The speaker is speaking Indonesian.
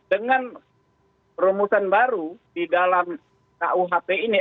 dengan rumusan baru di dalam kuhp ini